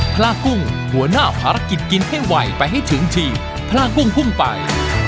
พระกุ้งหัวหน้าภารกิจกินให้ไวไปให้ถึงทีมพลากุ้งพุ่งไป